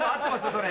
それ。